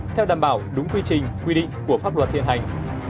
theo đảm bảo đúng quy trình quy định của pháp luật hiện hành